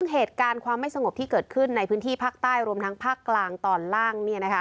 เหตุการณ์ความไม่สงบที่เกิดขึ้นในพื้นที่ภาคใต้รวมทั้งภาคกลางตอนล่าง